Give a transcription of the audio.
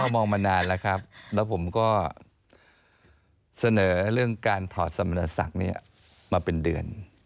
เฝ้ามองมานานแล้วและผมก็เสนอเรื่องการถอดสมรสักมาเป็นเดือน